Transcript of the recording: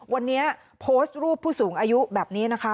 วันนี้โพสต์รูปผู้สูงอายุแบบนี้นะคะ